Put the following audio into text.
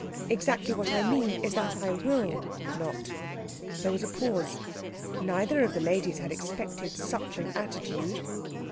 Exactly what I mean is that I will not." There was a pause. Neither of the ladies had expected such an attitude.